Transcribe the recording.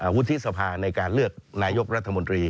วุฒิสภาในการเลือกนายกรัฐมนตรี